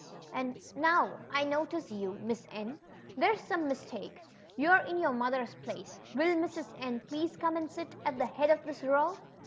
And — now I notice you. Miss N — there's some mistake. You're in your mother's place. Will Mrs. N please come and sit at the head of this row